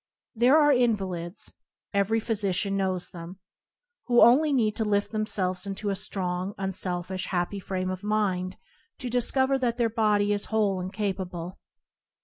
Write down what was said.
There are invalids (every physician knows them) who only need to lift themselves into a strong, unselfish, happy frame of mind to discover that their body is whole and capable.